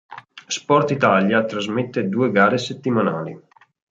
Sportitalia trasmette due gare settimanali.